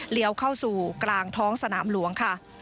เลี่ยวเข้าสู่กลางท้องสนามลวง